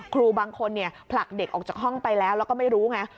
ครูบางคนผลักเด็กออกจากห้องไปแล้วแล้วก็ไม่รู้ไง